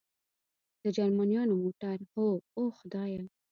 د جرمنیانو موټر؟ هو، اوه خدایه.